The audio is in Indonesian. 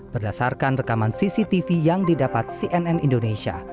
berdasarkan rekaman cctv yang didapat cnn indonesia